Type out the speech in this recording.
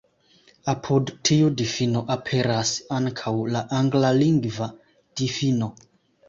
Apud tiu difino aperas ankaŭ la anglalingva difino.